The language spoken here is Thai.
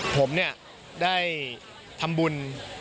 ผมเนี่ยได้ทำบุญ